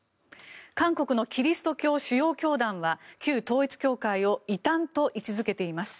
韓国のキリスト教主要教団は旧統一教会を異端と位置付けています。